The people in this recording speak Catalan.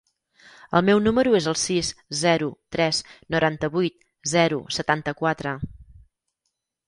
El meu número es el sis, zero, tres, noranta-vuit, zero, setanta-quatre.